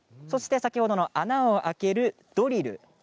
そして先ほどの穴を開けるドリル。